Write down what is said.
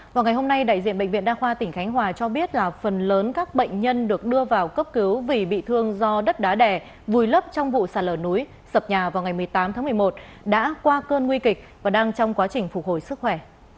vào ngày hôm nay đại diện bệnh viện đa khoa tỉnh khánh hòa cho biết là phần lớn các bệnh nhân được đưa vào cấp cứu vì bị thương do đất đá đẻ vùi lấp trong vụ sạt lở núi sập nhà vào ngày một mươi tám tháng một mươi một đã qua cơn nguy kịch và đang trong quá trình phục hồi sức khỏe